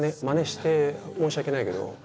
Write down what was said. まねして申し訳ないけど。